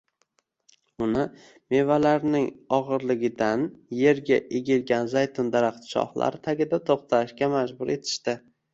Uni mevalarining og`irligidan erga egilgan zaytun daraxti shoxlari tagida to`xtashga majbur etishdi